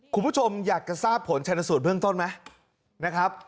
คุณผู้ชมอยากจะทราบผลชนสูตรเบื้องต้นไหมนะครับ